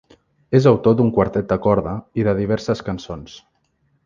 És autor d'un quartet de corda i de diverses cançons.